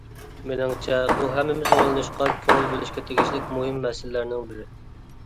مېنىڭچە، بۇ ھەممىمىز ئويلىنىشقا، كۆڭۈل بۆلۈشكە تېگىشلىك مۇھىم مەسىلىلەرنىڭ بىرى.